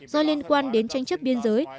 do liên quan đến tranh chấp biên giới